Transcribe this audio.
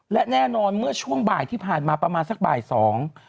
และช่วงบ่ายที่ผ่านมาประมาณสักบ่ายสอง